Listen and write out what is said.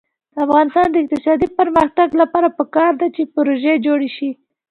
د افغانستان د اقتصادي پرمختګ لپاره پکار ده چې پرزې جوړې شي.